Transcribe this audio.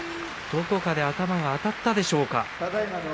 どこかに頭があたったでしょうか。